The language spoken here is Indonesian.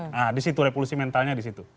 nah di situ revolusi mentalnya di situ